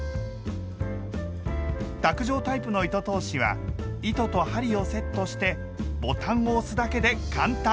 卓上タイプの糸通しは糸と針をセットしてボタンを押すだけで簡単！